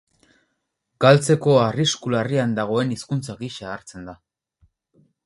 Galtzeko arrisku larrian dagoen hizkuntza gisa hartzen da.